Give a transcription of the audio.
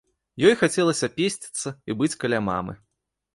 Ёй хацелася песціцца і быць каля мамы.